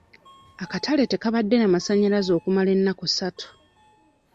Akatale tekabadde na masanyalaze okumala ennaku ssatu.